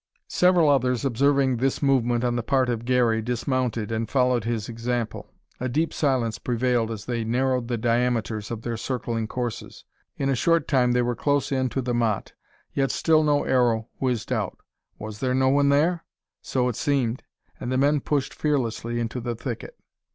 Several others, observing this movement on the part of Garey, dismounted, and followed his example. A deep silence prevailed as they narrowed the diameters of their circling courses. In a short time they were close in to the motte, yet still no arrow whizzed out. Was there no one there? So it seemed; and the men pushed fearlessly into the thicket.